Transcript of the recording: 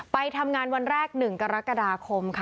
ไปทำงานวันแรก๑กรกฎาคมค่ะ